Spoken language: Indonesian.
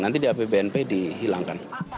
nanti di apbnp dihilangkan